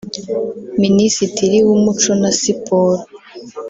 Minisitiri w’umuco na Siporo